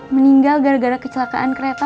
meninggal gara gara kecelakaan kereta